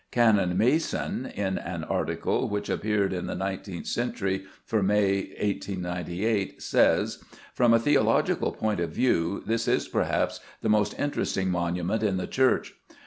Canon Mason, in an article which appeared in the Nineteenth Century for May 1898, says: "From a theological point of view [this is] perhaps the most interesting monument in the church.